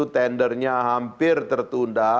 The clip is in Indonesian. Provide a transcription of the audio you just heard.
tendernya hampir tertunda